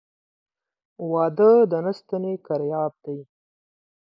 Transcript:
واده د نه ستني کرياب دى.